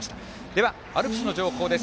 では、アルプスの情報です。